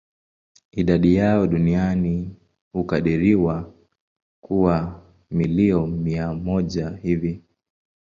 Idadi yao duniani hukadiriwa kuwa milioni mia moja hivi.